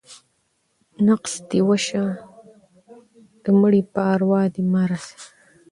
ـ نقص دې وشه ، د مړي په اروا دې مه رسه.